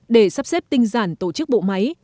để sắp xếp tinh giản tổ chức bộ máy